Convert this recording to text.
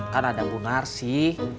kan ada punar sih